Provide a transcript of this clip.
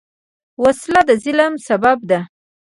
وسله د ظلم سبب ده